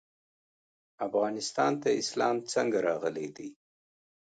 افغانستان ته اسلام څنګه راغلی دی؟